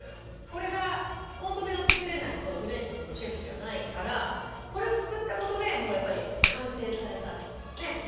これがコンソメが作れないとフレンチのシェフじゃないからこれを作ったことでやっぱり完成されたねっ。